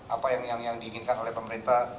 apa yang diinginkan oleh pemerintah